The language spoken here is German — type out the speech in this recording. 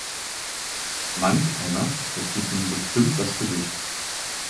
Manch einer verzieht nun bestimmt das Gesicht.